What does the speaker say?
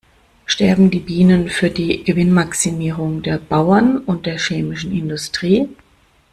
Sterben die Bienen für die Gewinnmaximierung der Bauern und der chemischen Industrie?